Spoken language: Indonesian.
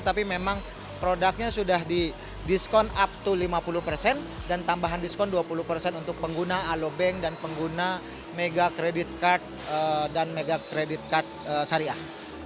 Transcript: tapi memang produknya sudah di diskon up to lima puluh persen dan tambahan diskon dua puluh persen untuk pengguna alobank dan pengguna mega credit card dan mega kredit card syariah